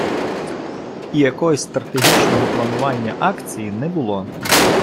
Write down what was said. І якогось стратегічного планування акції не було.